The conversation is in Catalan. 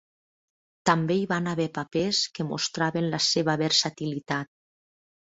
També hi van haver papers que mostraven la seva versatilitat.